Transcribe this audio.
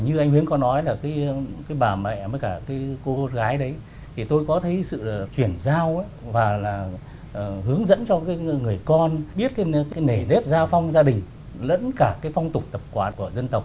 như anh huyến có nói là cái bà mẹ với cả cái cô gái đấy thì tôi có thấy sự chuyển giao và là hướng dẫn cho người con biết cái nề nếp gia phong gia đình lẫn cả cái phong tục tập quán của dân tộc